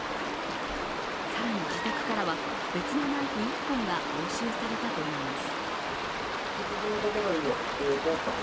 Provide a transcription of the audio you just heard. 更に自宅からは別のナイフ１本が押収されたといいます。